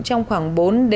trong khoảng bốn bốn năm